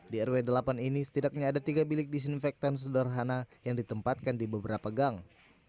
di rw delapan ini setidaknya ada tiga bilik disinfektan sederhana yang ditempatkan di beberapa gang